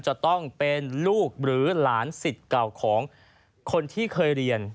จะต้องเป็นลูกหรือหลานสิทธิ์เก่าของคนที่เคยเรียน